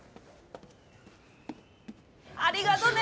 ありがとね。